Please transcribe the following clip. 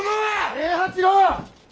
平八郎！